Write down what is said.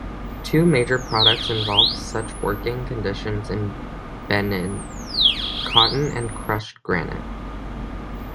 Two major products involved such working conditions in Benin: cotton and crushed granite.